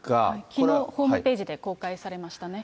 きのうホームページで公開されましたね。